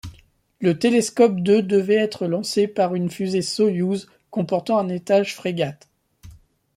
Le télescope de devait être lancé par une fusée Soyouz comportant un étage Fregat.